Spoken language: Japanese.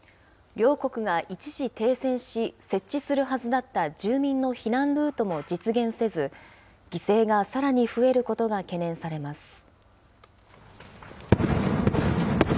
両国が一時停戦し、設置するはずだった住民の避難ルートも実現せず、犠牲がさらに増えることが懸念されます。